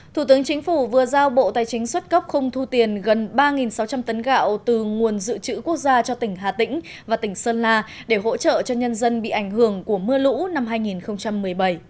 thủ tướng chính phủ vừa giao bộ tài chính xuất cấp không thu tiền gần ba sáu trăm linh tấn gạo từ nguồn dự trữ quốc gia cho tỉnh hà tĩnh và tỉnh sơn la để hỗ trợ cho nhân dân bị ảnh hưởng của mưa lũ năm hai nghìn một mươi bảy